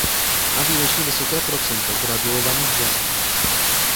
Má výjimečně vysoké procento graduovaných žen.